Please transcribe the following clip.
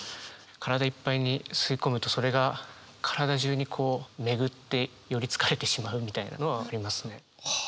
体いっぱいに吸い込むとそれが体中に巡ってより疲れてしまうみたいなのはありますね。